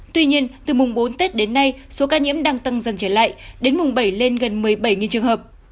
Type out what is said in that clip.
tuy nhiên từ mùng bốn tết đến nay số ca nhiễm đang tăng dần trở lại đến mùng bảy lên gần một mươi bảy trường hợp